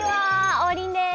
王林です。